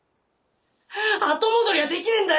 後戻りはできねぇんだよ